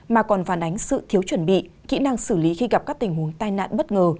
mà còn phản ánh sự thiếu chuẩn bị kỹ năng xử lý khi gặp các tình huống tai nạn bất ngờ